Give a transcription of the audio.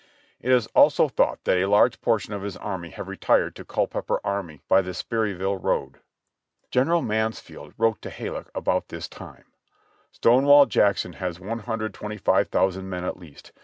It is also thought that a large portion of his army have retired to Culpeper army by the Sperryville road." General Mansfield wrote to Halleck about this time: "Stonewall Jackson has 125,000 men at least.